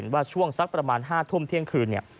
ว่าช่วงสักประมาณ๕ทุ่มเที่ยงคืนเนี่ย